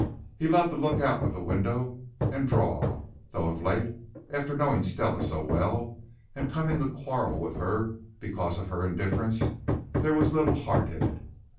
He loved to look out of the window and draw, though of late, after knowing Stella so well and coming to quarrel with her because of her indifference, there was little heart in it.